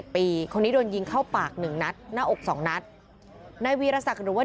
ปีคนนี้โดนยิงเข้าปากหนึ่งนัทหน้าอกสองนัทในหรือว่า